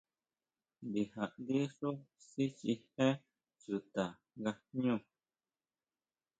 Ndija ndí xú sichijé chuta nga ma jñú.